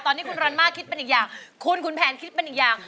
ตอนนี้คุณรันมาคคุณแพนครีเป็นอีกอย่าง